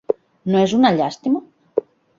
No és una llàstima?